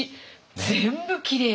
全部きれいに。